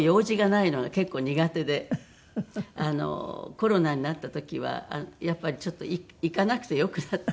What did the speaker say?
コロナになった時はやっぱりちょっと行かなくてよくなった。